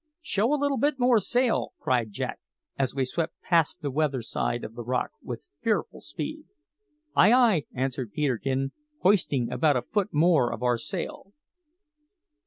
"Show a little bit more sail!" cried Jack as we swept past the weather side of the rock with fearful speed. "Ay, ay!" answered Peterkin, hoisting about a foot more of our sail.